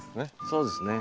そうですね。